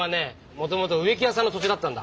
もともと植木屋さんの土地だったんだ。